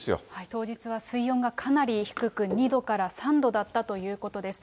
当日は水温がかなり低く、２度から３度だったということです。